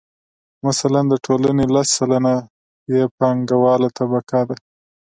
مثلاً د ټولنې لس سلنه یې پانګواله طبقه ده